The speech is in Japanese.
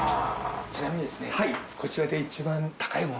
ちなみにですねこちらで。